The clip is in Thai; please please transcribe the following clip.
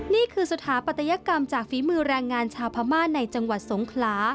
นี่คือสถาปัตยกรรมจากฝีมือแรงงานชาวพม่าในจังหวัดสงขลา